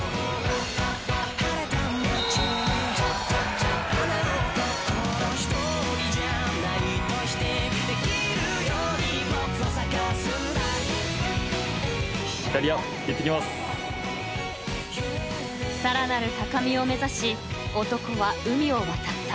［さらなる高みを目指し男は海を渡った］